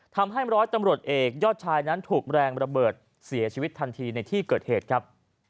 ทำให้ร้อยตำรวจเอกยอดชายนั้นถูกแรงระเบิดเสียชีวิตทันทีในที่เกิดเหตุครับ